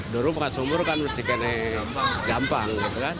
dulu pakai sumur kan mesti kena gampang